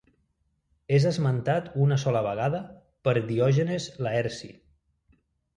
És esmentat una sola vegada per Diògenes Laerci.